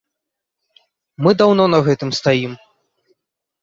Мы даўно на гэтым стаім.